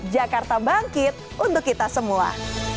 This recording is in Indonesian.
jakarta bangkit untuk kita semua